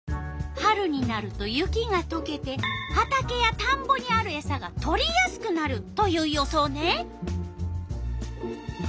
春になると雪がとけて畑やたんぼにあるエサがとりやすくなるという予想ね。